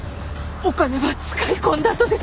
お金ば使い込んだとです。